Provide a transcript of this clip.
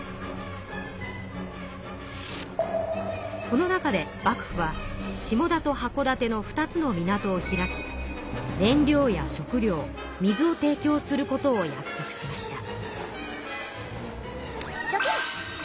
この中で幕府は下田と箱館の２つの港を開き燃料や食料水を提供することを約束しました。